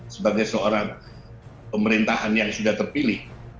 sebagai seorang pemerintahan yang sudah terpilih